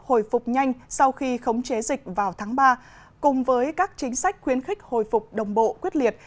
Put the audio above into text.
hồi phục nhanh sau khi khống chế dịch vào tháng ba cùng với các chính sách khuyến khích hồi phục đồng bộ quyết liệt